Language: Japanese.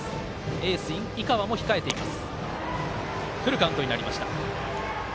エース、井川も控えています。